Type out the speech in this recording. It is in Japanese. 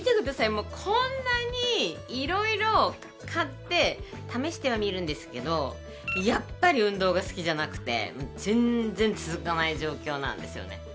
もうこんなに色々買って試してはみるんですけどやっぱり運動が好きじゃなくて全然続かない状況なんですよね。